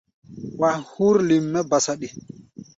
Wa hú̧r lim mɛ́ ba saɗi.